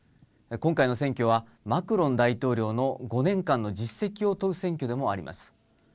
今回の選挙は、マクロン大統領の５年間の実績を問う選挙でもあります。